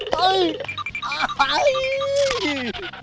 เฮ้ย